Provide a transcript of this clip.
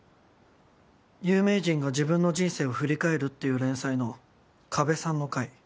有名人が自分の人生を振り返るっていう連載の加部さんの回。